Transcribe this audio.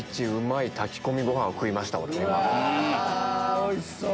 おいしそう！